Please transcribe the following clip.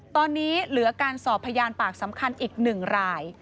ตอนนี้เหลือการสอบพยานปากสำคัญอีก๑ราย